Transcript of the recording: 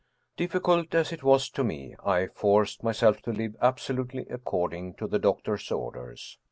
Difficult as it was to me, I forced myself to live absolutely according to the doctor's orders.